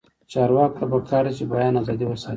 چارواکو ته پکار ده چې، بیان ازادي وساتي.